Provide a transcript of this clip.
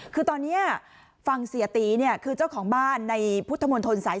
คือตอนนี้ฝั่งเสียตีเนี่ยคือเจ้าของบ้านในพุทธมนตรสาย